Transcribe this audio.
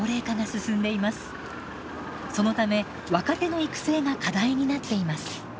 そのため若手の育成が課題になっています。